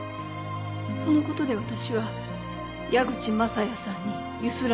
そのことで私は矢口雅也さんにゆすられていました。